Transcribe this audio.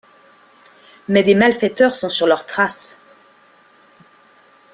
Mais des malfaiteurs sont sur leur trace...